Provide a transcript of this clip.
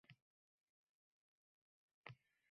samara keltirayotgan tizimli rejalarning bir bo‘lagi bo‘ladi.